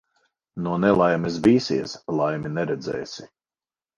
No nelaimes bīsies, laimi neredzēsi.